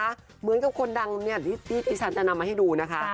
เหมือนกับคนดังที่ฉันจะนำมาให้ดูนะคะ